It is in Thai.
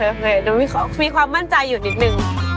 โอเคโอเคโอเคน้องมีความมั่นใจอยู่นิดนึง